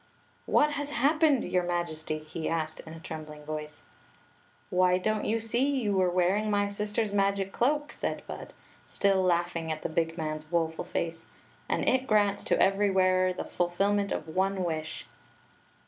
"What has happened, your Majesty?" he asked in a trembling voice. " Why, don't you see, you were wearii^r my sister's Queen Zixi of Ix; or, the magic cloak," said Bud, still laughing at the big man s woeful face ;" and it grants to every wearer the ful filment of one wish."